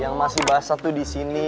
yang masih basah tuh disini